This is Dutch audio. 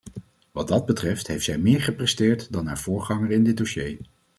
Wat dat betreft heeft zij meer gepresteerd dan haar voorganger in dit dossier.